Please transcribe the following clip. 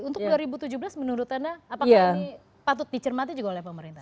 untuk dua ribu tujuh belas menurut anda apakah ini patut dicermati juga oleh pemerintah